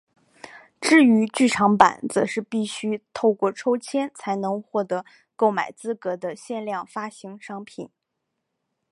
至于剧场版则是必须透过抽签才能获得购买资格的限量发行商品。